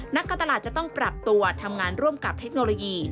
นักการตลาดจะต้องปรับตัวทำงานร่วมกับเทคโนโลยี